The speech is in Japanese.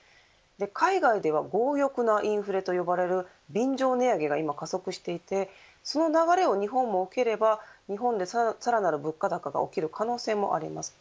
海外では強欲なインフレと呼ばれる便乗値上げが今、加速していてその流れを日本も受ければ日本で、さらなる物価高が起きる可能性もあります。